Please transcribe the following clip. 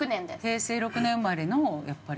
平成６年生まれのやっぱり。